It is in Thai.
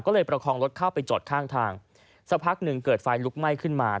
ก็เลยประคองรถเข้าไปจอดข้างทางสักพักหนึ่งเกิดไฟลุกไหม้ขึ้นมา